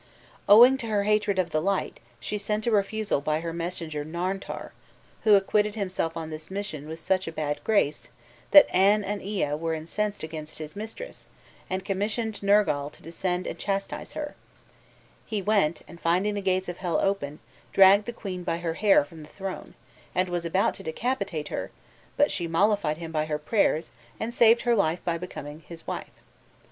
Owing to her hatred of the light, she sent a refusal by her messenger Narntar, who acquitted himself on this mission with such a bad grace, that Ann and Ea were incensed against his mistress, and commissioned Nergal to descend and chastise her; he went, and finding the gates of hell open, dragged the queen by her hair from the throne, and was about to decapitate her, but she mollified him by her prayers, and saved her life by becoming his wife.